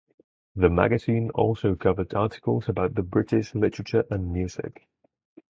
The magazine also covered articles about the British literature and music.